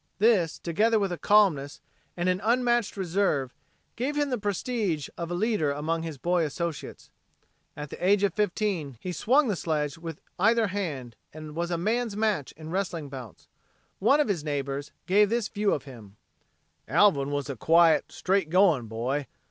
This, together with a calmness and an unmatched reserve, gave him the prestige of leader among his boy associates. At the age of fifteen he swung the sledge with either hand and was a man's match in wrestling bouts. One of his neighbors gave this view of him: "Alvin wuz a quiet, straight going boy.